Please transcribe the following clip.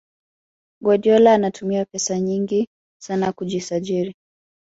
Guardiola anatumia pesa nyingi sana kusajiri